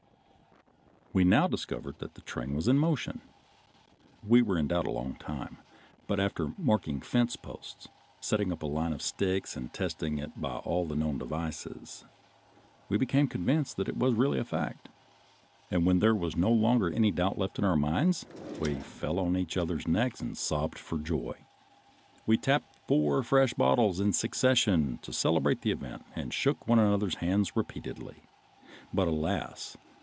We now discovered that the train was in motion. We were in doubt a long time, but after marking fence posts, setting up a line of sticks and testing it by all the known devices, we became convinced that it was really a fact, and when there was no longer any doubt left in our minds we fell on each other's necks and sobbed for joy. We tapped four fresh bottles in succession to celebrate the event and shook one another's hands repeatedly. But, alas!